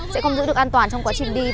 sẽ không giữ được an toàn trong quá trình đi